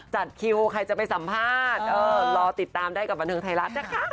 จัดคิวใครจะไปสัมภาษณ์รอติดตามได้กับบันเทิงไทยรัฐนะคะ